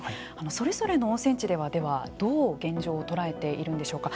それぞれの温泉地ではでは、どう現状を捉えているんでしょうか。